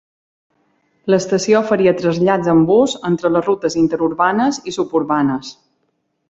L'estació oferia trasllats amb bus entre les rutes interurbanes i suburbanes.